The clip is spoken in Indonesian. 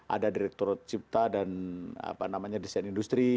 ada direkturat cipta dan apa namanya desain industri